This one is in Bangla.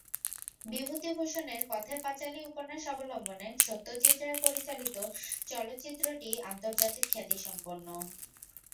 বিভূতিভূষণের পথের পাঁচালী উপন্যাস অবলম্বনে সত্যজিৎ রায় পরিচালিত চলচ্চিত্রটি আন্তর্জাতিক খ্যাতিসম্পন্ন।